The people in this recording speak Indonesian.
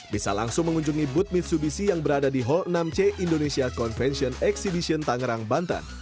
bisa langsung mengunjungi booth mitsubishi yang berada di hall enam c indonesia convention exhibition tangerang banten